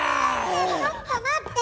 ちょっと待って！